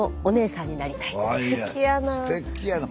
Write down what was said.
すてきやな。